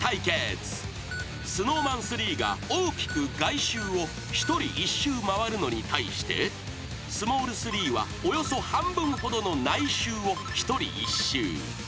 ［ＳｎｏｗＭａｎ３が大きく外周を１人１周回るのに対してスモール３はおよそ半分ほどの内周を１人１周］